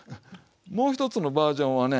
もう一つのバージョンはね